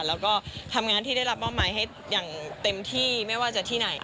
แล้วก็ทำงานที่ได้รับมอบหมายให้อย่างเต็มที่ไม่ว่าจะที่ไหน